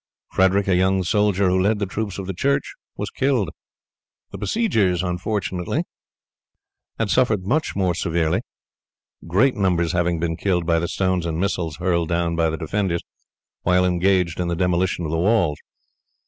Frederic, a young soldier who led the troops of the church was killed. The besiegers had suffered much more severely, great numbers having been killed by the stones and missiles hurled down by the defenders while engaged in the demolition of the walls.